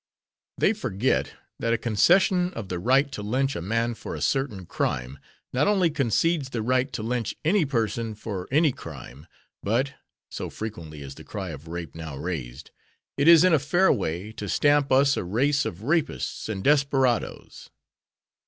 They forget that a concession of the right to lynch a man for a certain crime, not only concedes the right to lynch any person for any crime, but (so frequently is the cry of rape now raised) it is in a fair way to stamp us a race of rapists and desperadoes.